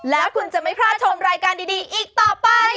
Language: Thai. แล้วคุณจะไม่พลาดชมรายการดีอีกต่อไป